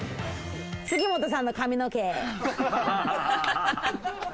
杉本さんの髪の毛。